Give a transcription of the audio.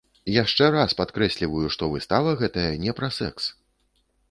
Яшчэ раз падкрэсліваю, што выстава гэтая не пра сэкс!